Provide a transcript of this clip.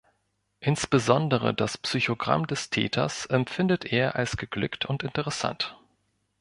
Insbesondere das Psychogramm des Täters empfindet er als geglückt und interessant.